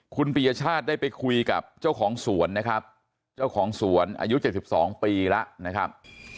คุณปียชาติได้ไปคุยกับเจ้าของสวนนะครับเจ้าของสวนอายุ๗๒ปีแล้วนะครับ